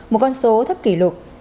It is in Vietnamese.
một con số thấp kỷ lục